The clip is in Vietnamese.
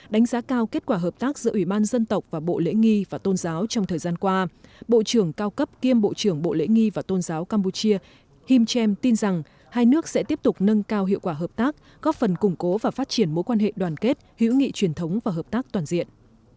đánh giá cao kết quả hợp tác giữa ủy ban dân tộc và bộ lễ nghi và tôn giáo trong thời gian qua bộ trưởng cao cấp kiêm bộ trưởng bộ lễ nghi và tôn giáo campuchia him chem tin rằng hai nước sẽ tiếp tục nâng cao hiệu quả hợp tác góp phần củng cố và phát triển mối quan hệ đoàn kết hữu nghị truyền thống và hợp tác toàn diện